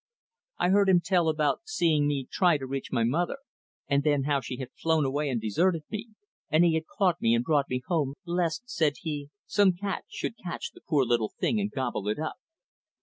I heard him tell about seeing me try to reach my mother, and then how she had flown away and deserted me, and he had caught me and brought me home, lest, said he, "some cat should catch the poor little thing and gobble it up."